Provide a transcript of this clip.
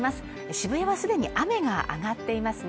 渋谷は既に雨が上がっていますね。